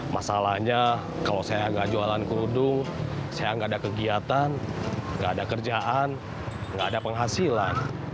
masalahnya kalau saya nggak jualan kerudung saya nggak ada kegiatan gak ada kerjaan nggak ada penghasilan